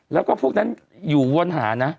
แล้วก็พวกนั้นอยู่วนหานะ